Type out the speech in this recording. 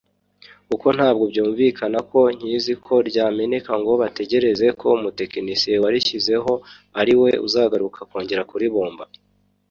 Kuko ntabwo byumvikana ko nkiziko ryameneka ngo bategereze ko umutekinisiye warishyizeho ari we uzagaruka kongera kuribumba